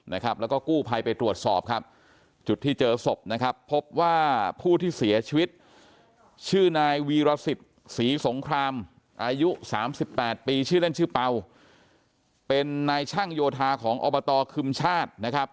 อายุ๓๘ปีชื่อเล่นชื่อเปล่าเป็นนายช่างโยธาของอบตคึมชาตินะครับ